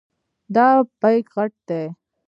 دا بیک غټ دی.